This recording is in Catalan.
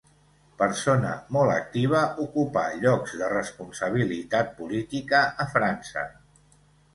Persona molt activa, ocupà llocs de responsabilitat política a França.